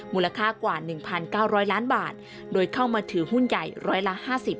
มูลค่ากว่า๑๙๐๐ล้านบาทโดยเข้ามาถือหุ้นใหญ่ร้อยละ๕๐